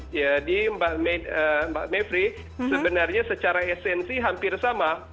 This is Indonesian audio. jadi mbak mevri sebenarnya secara esensi hampir sama